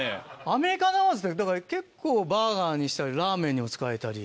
アメリカナマズってだから結構バーガーにしたりラーメンにも使えたり。